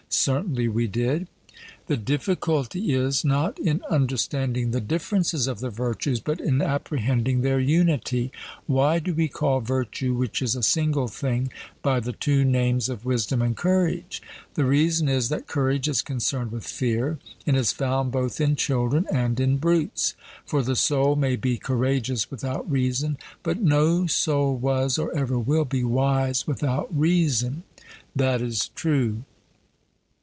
'Certainly we did.' The difficulty is, not in understanding the differences of the virtues, but in apprehending their unity. Why do we call virtue, which is a single thing, by the two names of wisdom and courage? The reason is that courage is concerned with fear, and is found both in children and in brutes; for the soul may be courageous without reason, but no soul was, or ever will be, wise without reason. 'That is true.'